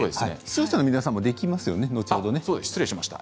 視聴者の皆さんも、できますよね。